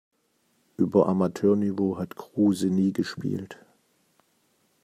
Über Amateurniveau hat Kruse nie gespielt.